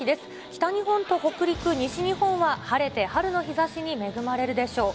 北日本と北陸、西日本は晴れて、春の日ざしに恵まれるでしょう。